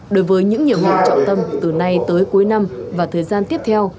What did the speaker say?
đối với những nhiệm vụ trọng tâm từ nay tới cuối năm và thời gian tiếp theo